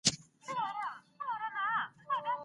ټولنپوهان ټینګار کوي چي د ټولني پېژندل د څېړني اساس دی.